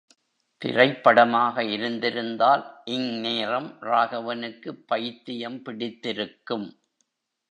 திரைப்படமாக இருந்திருந்தால் இங்நேரம் ராகவனுக்குப் பைத்தியம் பிடித்திருக்கும்!